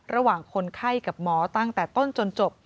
คนไข้กับหมอตั้งแต่ต้นจนจบ